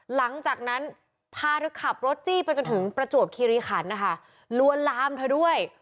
หลังจากนั้นพาเธอขับรถจี้ไปจนถึงประจวบคิริขันนะคะลวนลามเธอด้วย